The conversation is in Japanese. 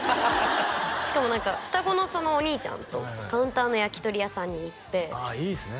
しかも何か双子のお兄ちゃんとカウンターの焼き鳥屋さんに行ってああいいっすね